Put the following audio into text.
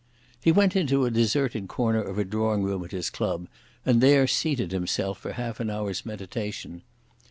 He went into a deserted corner of a drawing room at his club, and there seated himself for half an hour's meditation.